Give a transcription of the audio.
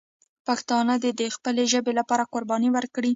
پښتانه دې د خپلې ژبې لپاره قرباني ورکړي.